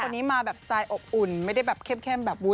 มาแบบสไตล์อบอุ่นไม่ได้แบบเข้มแบบอุ๊ย